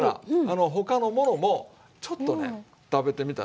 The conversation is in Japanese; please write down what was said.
他のものもちょっとね食べてみたら？